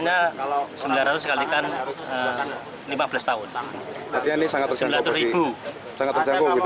iya sangat terjangkau lah